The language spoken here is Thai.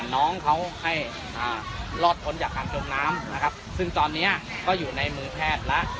น้องเขาให้รอดพ้นจากการจมน้ำนะครับซึ่งตอนนี้ก็อยู่ในมือแพทย์แล้ว